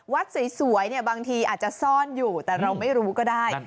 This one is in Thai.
วัดสวยเนี่ยบางทีอาจจะซ่อนอยู่แต่เราไม่รู้ก็ได้